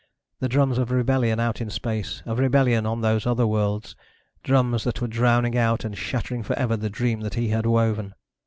the drums of rebellion out in space, of rebellion on those other worlds ... drums that were drowning out and shattering forever the dream that he had woven.